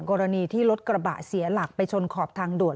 กรณีที่รถกระบะเสียหลักไปชนขอบทางด่วน